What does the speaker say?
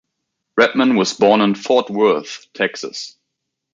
Redman was born in Fort Worth, Texas.